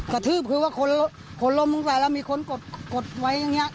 กระทืบคือว่าคนล้มลงไปแล้วมีคนกดไว้อย่างนี้